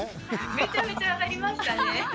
めちゃめちゃ上がりましたね。